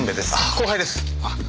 後輩です！